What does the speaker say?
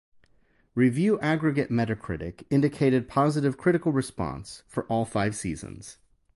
Review aggregate Metacritic indicated positive critical response for all five seasons.